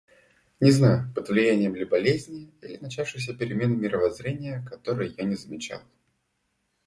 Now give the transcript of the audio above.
Не знаю, под влиянием ли болезни, или начинавшейся перемены мировоззрения, которой я не замечал.